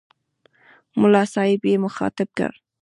ملا صاحب یې مخاطب کړ.